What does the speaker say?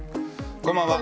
こんばんは。